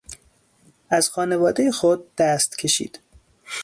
از خانوادهٔ خود دست کشید.